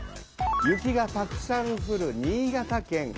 雪がたくさんふる新潟県。